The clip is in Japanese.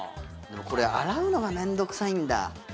でもこれ洗うのが面倒くさいんだ